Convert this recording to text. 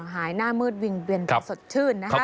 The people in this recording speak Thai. หายหน้ามืดวิ่งเวียนไปสดชื่นนะคะ